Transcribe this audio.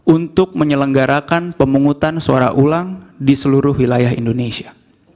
untuk menyelenggarakan pemungutan suara ulang di seluruh wilayah indonesia